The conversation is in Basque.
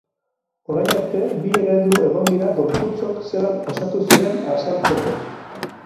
Orain arte bi eredu egon dira gorputzok zelan osatu ziren azaltzeko.